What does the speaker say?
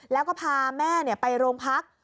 แล้วก็พาแม่ไปโรงพัก